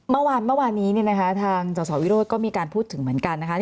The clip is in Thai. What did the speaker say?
เมื่อวานนี้ทางสสวิโรธก็มีการพูดถึงเหมือนกันนะคะ